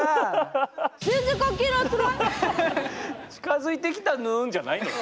「近づいてきたぬん」じゃないだろ。